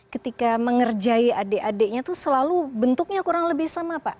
ketika mengerjai adik adiknya itu selalu bentuknya kurang lebih sama pak